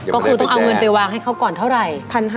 ก็คือต้องเอาเงินไปวางให้เขาก่อนเท่าไหร่